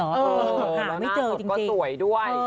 แล้วหน้ากล่องก็สวยด้วย